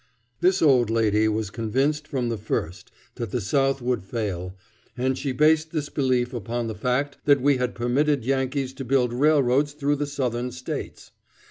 This old lady was convinced from the first that the South would fail, and she based this belief upon the fact that we had permitted Yankees to build railroads through the Southern States.